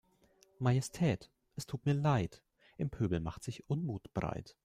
Majestät es tut mir Leid, im Pöbel macht sich Unmut breit.